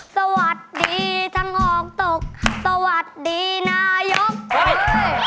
สวัสดีทั้งออกตกสวัสดีนายกเฮ้ย